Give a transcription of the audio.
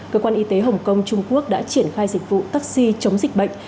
cơ quan y tế hồng kông trung quốc đã triển khai dịch vụ taxi chống dịch bệnh